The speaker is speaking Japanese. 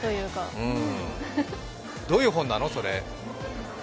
どういう本なの？